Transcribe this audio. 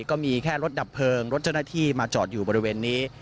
ก็มีแค่รถดับเพลิงรถเจ้าหน้าที่มาจอดอยู่บริเวณนี้